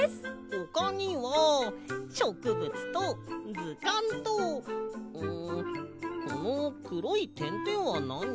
ほかにはしょくぶつとずかんとうんこのくろいてんてんはなに？